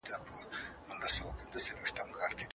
د مسلې پېژندل تر فرضیې جوړولو وړاندې دي.